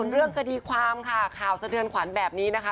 เรื่องคดีความค่ะข่าวสะเทือนขวัญแบบนี้นะคะ